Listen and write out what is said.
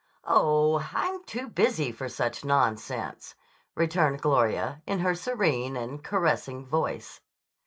"Oh, I'm too busy for such nonsense," returned Gloria in her serene and caressing voice.